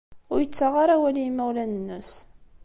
Ur yettaɣ ara awal i yimawlan-nnes.